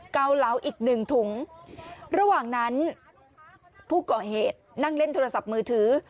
เกาเหลาอีกหนึ่งถุงระหว่างนั้นผู้ก่อเหตุนั่งเล่นโทรศัพท์มือถือ